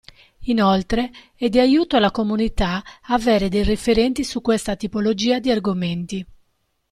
Inoltre, è di aiuto alla comunità avere dei referenti su questa tipologia di argomenti.